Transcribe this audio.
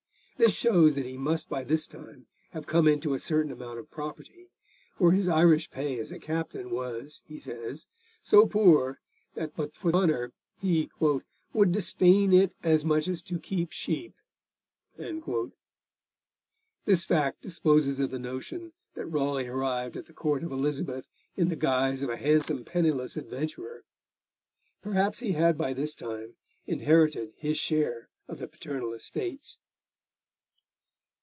This shows that he must by this time have come into a certain amount of property, for his Irish pay as a captain was, he says, so poor that but for honour he 'would disdain it as much as to keep sheep.' This fact disposes of the notion that Raleigh arrived at the Court of Elizabeth in the guise of a handsome penniless adventurer. Perhaps he had by this time inherited his share of the paternal estates.